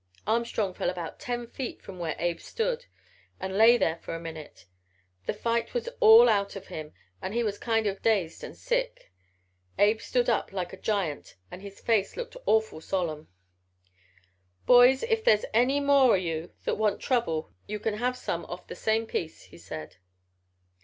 Armstrong fell about ten feet from where Abe stood and lay there for a minute. The fight was all out of him and he was kind of dazed and sick. Abe stood up like a giant and his face looked awful solemn. "'Boys, if there's any more o' you that want trouble you can have some off the same piece,' he said.